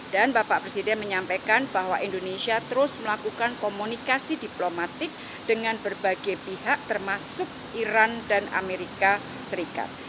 dan bapak presiden menyampaikan bahwa indonesia terus melakukan komunikasi diplomatik dengan berbagai pihak termasuk iran dan amerika serikat